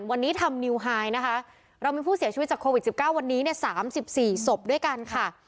วันนี้ทำนิวไฮนะคะเรามีผู้เสียชีวิตจากโควิด๑๙วันนี้เนี่ย๓๔ศพด้วยกันค่ะ